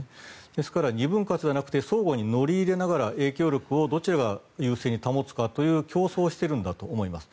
ですから、二分割じゃなくて相互に乗り入れながら優勢をどちらかがつけるかという競争をしているんだと思います。